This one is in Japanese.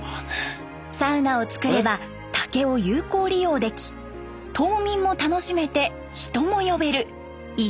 サウナを造れば竹を有効利用でき島民も楽しめて人も呼べる一石三鳥。